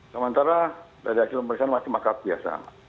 sementara dari hasil pemeriksaan masih makar biasa